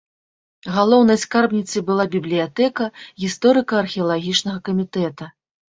Галоўнай скарбніцай была бібліятэка гісторыка-археалагічнага камітэта.